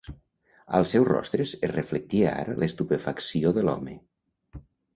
Als seus rostres es reflectia ara l'estupefacció de l'home.